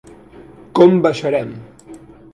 Com baixarem?